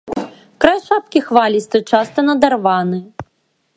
Край шапкі хвалісты, часта надарваны.